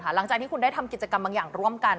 หลังจากที่คุณได้ทำกิจกรรมบางอย่างร่วมกัน